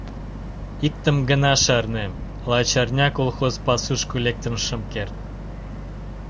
Иктым гына шарнем: лач арня колхоз пасушко лектын шым керт.